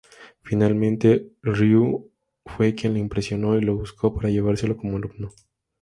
Finalmente, Ryu fue quien le impresionó y lo buscó para llevárselo como alumno.